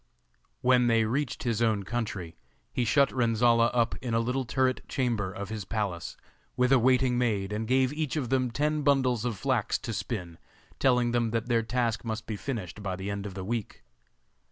When they reached his own country he shut Renzolla up in a little turret chamber of his palace, with a waiting maid, and gave each of them ten bundles of flax to spin, telling them that their task must be finished by the end of the week.